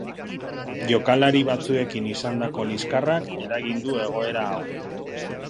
Jokalari batzuekin izandako liskarrak eragin du egorea hau.